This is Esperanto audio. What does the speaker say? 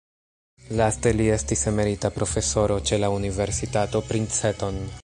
Laste li estis emerita profesoro ĉe la Universitato Princeton.